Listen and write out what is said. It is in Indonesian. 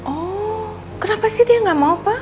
oh kenapa sih dia nggak mau pak